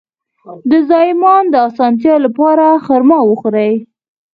د زایمان د اسانتیا لپاره خرما وخورئ